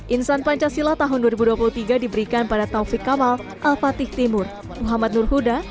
insan pancasila tahun dua ribu dua puluh tiga diberikan pada taufik kamal al fatih timur muhammad nur huda